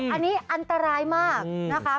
อันนี้อันตรายมากนะคะ